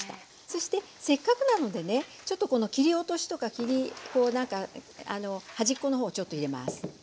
そしてせっかくなのでねちょっとこの切り落としとか端っこの方をちょっと入れます。